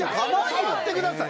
触ってください。